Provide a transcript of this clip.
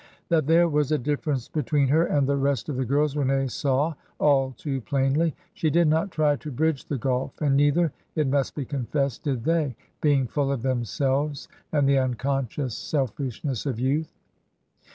That there was a difference between her and the rest of the girls Rene saw all too plainly. She did not try to bridge the gulf, and neither, it must be confessed, did they— being full of themselves and the unconscious self ishness of youth.